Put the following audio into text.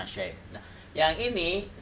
sisi sisi yang dikatakan ada al irsad